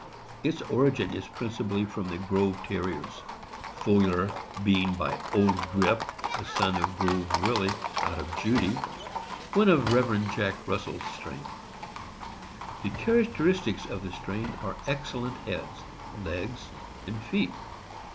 Its origin is principally from the Grove Terriers, Foiler being by Old Grip, a son of Grove Willie, out of Judy, one of Rev. Jack Russell's strain. The characteristics of the strain are excellent heads, legs, and feet.